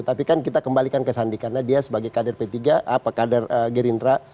tapi kan kita kembalikan ke sandi karena dia sebagai kader p tiga apa kader gerindra